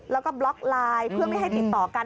แล้วก็บล็อกไลน์เพื่อไม่ให้ติดต่อกัน